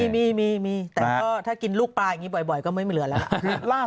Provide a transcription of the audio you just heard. มีแต่ถ้ากินลูกปลาบ่อยก็ไม่เหลือแล้ว